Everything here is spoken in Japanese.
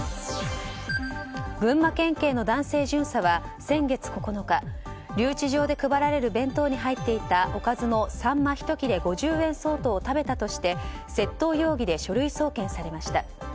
群馬県警の男性巡査は先月９日留置場で配られる弁当に入っていたおかずのサンマ１切れ５０円相当を食べたとして窃盗容疑で書類送検されました。